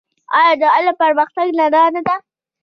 آیا د علم او پرمختګ رڼا نه ده؟